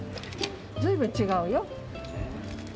随分違うよ。